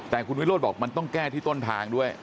แต่คุณวิโรธบอกมันต้องแก้ที่ต้นทางด้วย